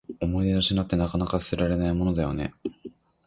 思い出の品って、なかなか捨てられないものだよね。